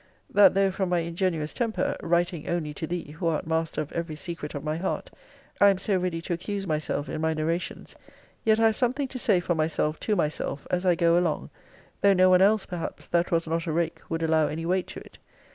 ] that though from my ingenuous temper (writing only to thee, who art master of every secret of my heart) I am so ready to accuse myself in my narrations, yet I have something to say for myself to myself, as I go along; though no one else, perhaps, that was not a rake, would allow any weight to it.